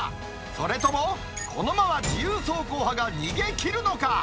それともこのまま自由走行派が逃げ切るのか。